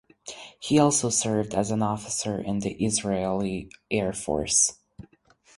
He also served as an officer in the Israeli Air Force.